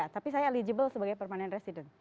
tapi saya eligible sebagai permanent resident